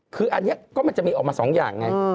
คืออันนี้ก็มันจะมีออกมา๒อย่างไง